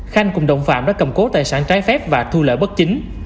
khanh cùng đồng phạm đã cầm cố tài sản trái phép và thu lợi bất chính